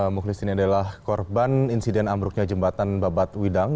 mukhlisin adalah korban insiden amruknya jembatan babat widang